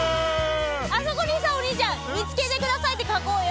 あそこにさお兄ちゃん「見つけてください」って書こうよ。